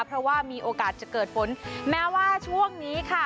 เพราะว่ามีโอกาสจะเกิดฝนแม้ว่าช่วงนี้ค่ะ